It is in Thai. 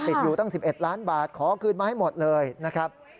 ติดอยู่ตั้ง๑๑ล้านบาทขอคืนมาให้หมดเลยนะครับ